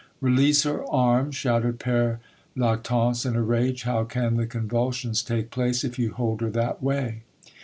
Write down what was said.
"Release her arm!" shouted Pere Lactance in a rage. "How can the convulsions take place if you hold her that way?"